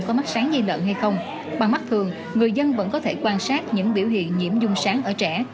có mắc sán dây lợn hay không bằng mắt thường người dân vẫn có thể quan sát những biểu hiện nhiễm dung sán ở trẻ